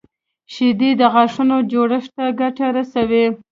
شیدې د غاښونو جوړښت ته ګټه رسوي